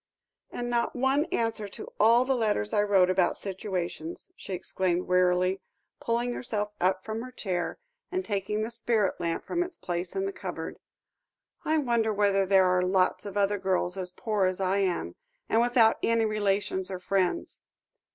"And not one answer to all the letters I wrote about situations," she exclaimed wearily, pulling herself up from her chair, and taking the spirit lamp from its place in the cupboard. "I wonder whether there are lots of other girls as poor as I am, and without any relations or friends.